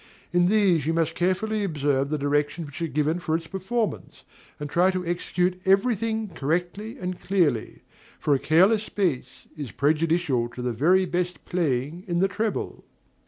In these you must carefully observe the directions which are given for its performance, and try to execute every thing correctly and clearly; for a careless bass is prejudicial to the very best playing in the treble.